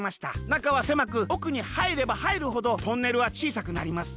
なかはせまくおくにはいればはいるほどトンネルはちいさくなります。